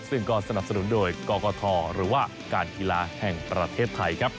ซึ่งก็สนับสนุนโดยกกทหรือว่าการกีฬาแห่งประเทศไทยครับ